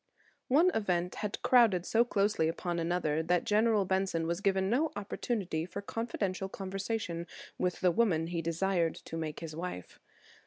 One event had crowded so closely upon another that General Benson was given no opportunity for confidential conversation with the woman he desired to make his wife.